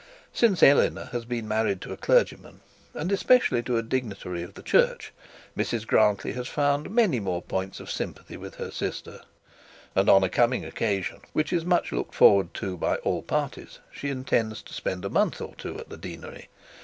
Since Eleanor has been married to a clergyman, and especially to a dignitary of the church, Mrs Grantly has found many more points of sympathy with her sister; and on a coming occasion, which is much looked forward to by all parties, she intends to spend a month or two at the deanery.